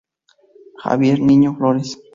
Javier Niño Flores.